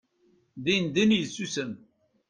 Dindin yessusem.